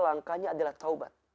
langkahnya adalah taubat